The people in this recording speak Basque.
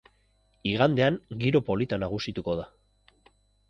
Igandean giro polita nagusituko da.